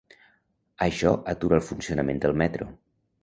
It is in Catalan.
Això atura el funcionament del metro.